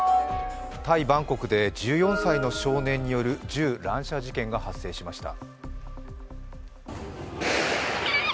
タイ・バンコクで１４歳の少年による銃乱射事件が発生しました。